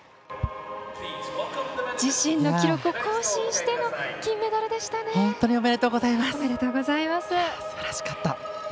自身の記録を更新しての金メダルでしたね。